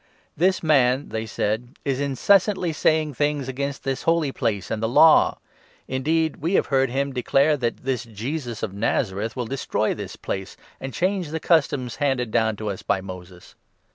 "This man," they said, "is incessantly saying things against this Holy Place and the Law ; indeed, we have heard 14 him declare that this Jesus of Nazareth will destroy this Place, and change the customs handed down to us by Moses."